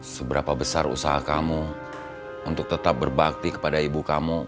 seberapa besar usaha kamu untuk tetap berbakti kepada ibu kamu